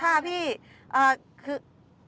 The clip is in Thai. ค่ะพี่เอ่อคือ